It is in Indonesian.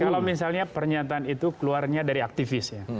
kalau misalnya pernyataan itu keluarnya dari aktivis ya